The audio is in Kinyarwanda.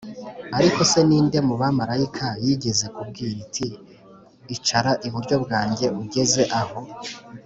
Ariko se ni nde mu bamarayika yigeze kubwira iti icara iburyo bwanjye ugeze aho